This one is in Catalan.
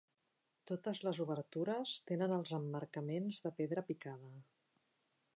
Totes les obertures tenen els emmarcaments de pedra picada.